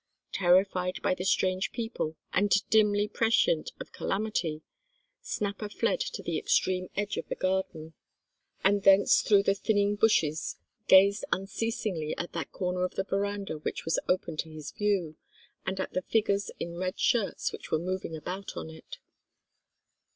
Terrified by the strange people, and dimly prescient of calamity, Snapper fled to the extreme end of the garden, and thence through the thinning bushes gazed unceasingly at that corner of the verandah which was open to his view, and at the figures in red shirts which were moving about on it.